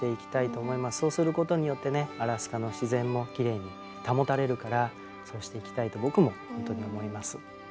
そうすることによってねアラスカの自然もきれいに保たれるからそうしていきたいと僕も本当に思います。